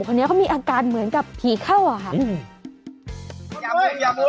คนี้เขามีอาการเหมือนกับผีข้าววันอย่า